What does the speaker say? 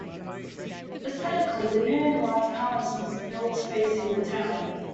Aesthetically, the new Large Palace was built facing the town.